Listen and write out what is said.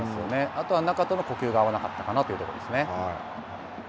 あと、中との呼吸が合わなかったというところですね。